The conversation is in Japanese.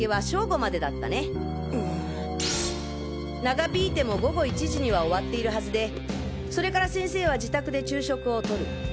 長引いても午後１時には終わっているハズでそれから先生は自宅で昼食をとる。